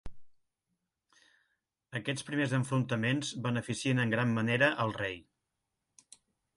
Aquests primers enfrontaments beneficien en gran manera al rei.